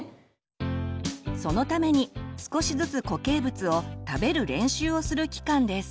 そのために少しずつ固形物を「食べる練習」をする期間です。